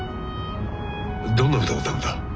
どんな歌歌うんだ？